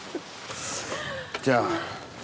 じゃあ。